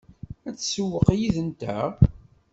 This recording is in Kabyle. Ad tsewweq yid-nteɣ?